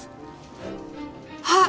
あっ。